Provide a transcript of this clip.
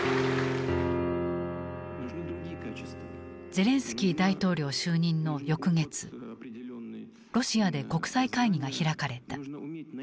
ゼレンスキー大統領就任の翌月ロシアで国際会議が開かれた。